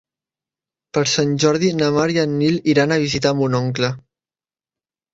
Per Sant Jordi na Mar i en Nil iran a visitar mon oncle.